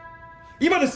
今です！